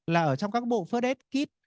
là ở trong các bộ first aid kit